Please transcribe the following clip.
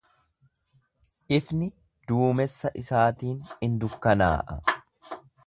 Ifni duumessa isaatiin in dukkanaa'a.